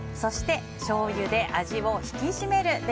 しょうゆで味を引きしめる。